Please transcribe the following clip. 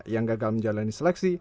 yang gagal menjalani seleksi